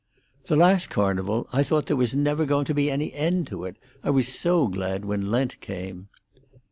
"The last Carnival, I thought there was never going to be any end to it; I was so glad when Lent came."